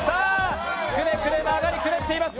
くねくね曲がりくねっています。